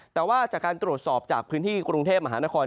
แต่ว่าจากการตรวจสอบจากพื้นที่กรุงเทพมหานคร